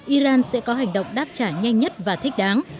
iran sẽ có hành động đáp trả nhanh nhất và thích đáng